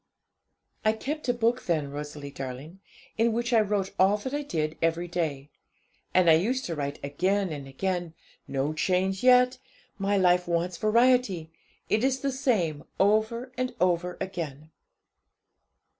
'I kept a book then, Rosalie darling, in which I wrote all that I did every day, and I used to write again and again '"No change yet; my life wants variety. It is the same over and over again."